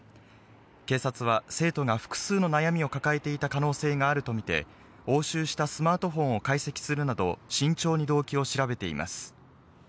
警察は生徒が複数の悩みを抱えていた可能性があると見て、押収したスマートフォンを解析するなど慎重に動機を調べています。